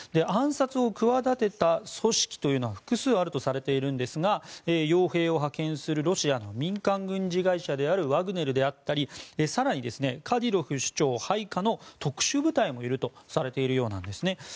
暗殺を企てた組織というのは複数あるとされているんですが傭兵を派遣するロシアの民間軍事会社であるワグネルであったり更にカディロフ首長配下の特殊部隊もいるとされているようなんですね。